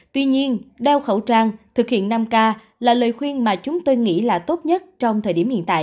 tuy nhiên đeo khẩu trang thực hiện năm k là lời khuyên mà chúng tôi nghĩ là tốt nhất trong thời điểm hiện tại